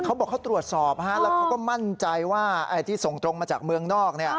เขาบอกเขาตรวจสอบแล้วเขาก็มั่นใจว่าที่ส่งตรงมาจากเมืองนอก